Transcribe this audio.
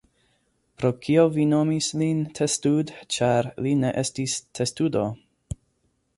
Pro kio vi nomis lin Testud ĉar li ne estis Testudo?